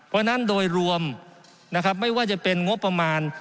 เพราะฉะนั้นโดยรวมนะครับไม่ว่าจะเป็นงบประมาณ